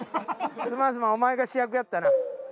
すまんすまんお前が主役やったな。